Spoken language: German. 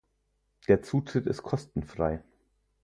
Der Zutritt ist kostenfrei.